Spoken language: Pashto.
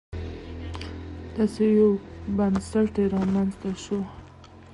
داسې یو بنسټ رامنځته شي.